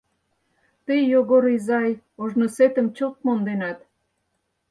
Тый, Йогор изай, ожнысетым чылт монденат.